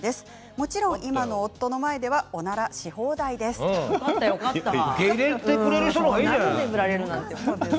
もちろん今の夫の前ではおならし放題ですということです。